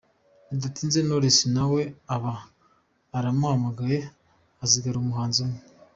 Bidatinze Knowless nawe aba arahamagawe hasigara umuhanzi umwe.